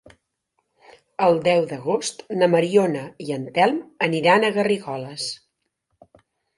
El deu d'agost na Mariona i en Telm aniran a Garrigoles.